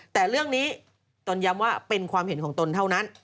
แต่เรื่องนี้ตนย้ำว่าเป็นความเห็นของตนเท่านั้น